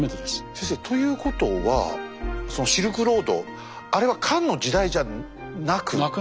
先生ということはそのシルクロードあれは漢の時代じゃなく。